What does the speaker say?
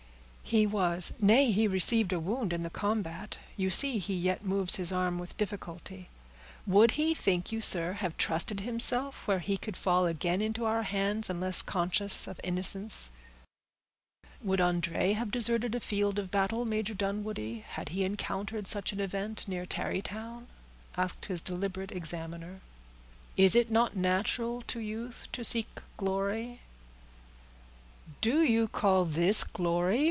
"He was; nay, he received a wound in the combat. You see he yet moves his arm with difficulty. Would he, think you, sir, have trusted himself where he could fall again into our hands, unless conscious of innocence?" "Would André have deserted a field of battle, Major Dunwoodie, had he encountered such an event, near Tarrytown?" asked his deliberate examiner. "Is it not natural to youth to seek glory?" "Do you call this glory?"